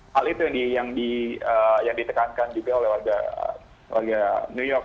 hal itu yang ditekankan juga oleh warga new york